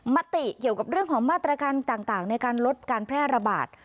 มติเกี่ยวกับเรื่องของมาตรการต่างในการลดการแพร่ระบาด